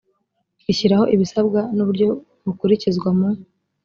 rishyiraho ibisabwa n uburyo bukurikizwa mu